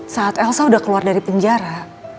saat elsa sudah keluar dari penjara